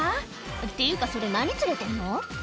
っていうかそれ、何連れてるの？